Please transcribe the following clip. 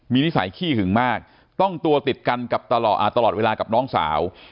มีนิสัยขี้หึงมากต้องตัวติดกันกับตลอดเวลากับน้องสาว